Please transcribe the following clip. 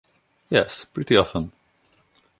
Yes, pretty often.